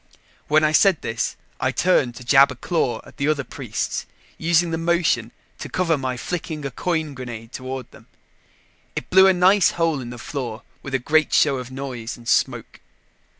When I said this, I turned to jab a claw at the other priests, using the motion to cover my flicking a coin grenade toward them. It blew a nice hole in the floor with a great show of noise and smoke.